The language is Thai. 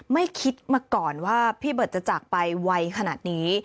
ไม่คิดมาก่อนว่าพี่เบิร์ตจะจากไปไวขนาดนี้